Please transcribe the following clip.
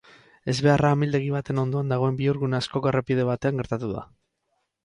Ezbeharra amildegi baten ondoan dagoen bihurgune askoko errepide batean gertatu da.